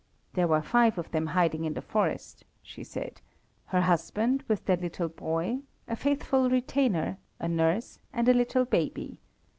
There were five of them hiding in the forest, she said; her husband, with their little boy, a faithful retainer, a nurse, and a little baby.